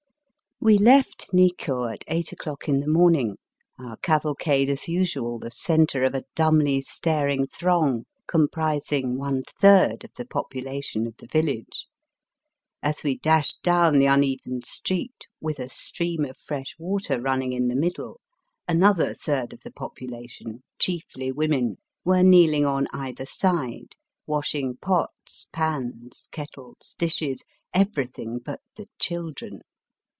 We left Nikko at eight o'clock in the morn ing, our cavalcade as nsual the centre of a dumbly staring throng comprising one third of the population of the village. As we dashed down the uneven street with a stream of fresh water running in the middle, another third of the population, chiefly women, were kneeUng on either side, washing pots, pans, kettles, dishes, everything but the children.